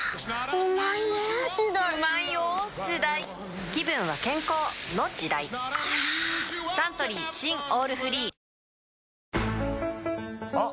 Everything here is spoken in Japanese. ぷはぁサントリー新「オールフリー」あ！